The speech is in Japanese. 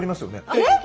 えっ